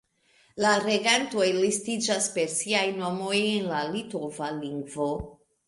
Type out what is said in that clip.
La regantoj listiĝas per siaj nomoj en la litova lingvo.